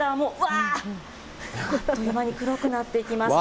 あっという間に黒くなっていきます。